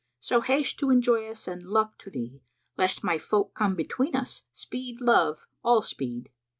So haste to enjoy us and luck to thee! * Lest my folk come between us speed, love, all speed!